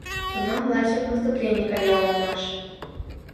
Тунам лачак наступлений кая улмаш.